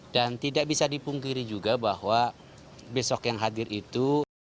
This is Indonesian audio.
dan tidak bisa dipungkiri juga bahwa besok yang hadir itu